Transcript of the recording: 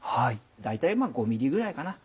大体５ｍｍぐらいかな。